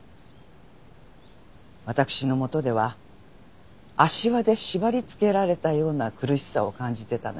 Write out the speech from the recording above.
私のもとでは足環で縛りつけられたような苦しさを感じてたのよね。